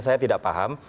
saya tidak paham